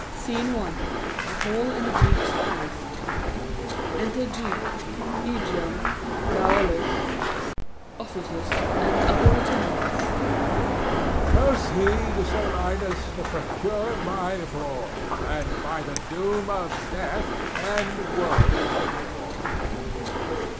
SCENE I. A hall in the DUKE'S palace. Enter DUKE, ÆGEON, Gaoler, Officers, and other Attendants. Æge. Proceed, Solinus, to procure my fall, And by the doom of death end woes and all.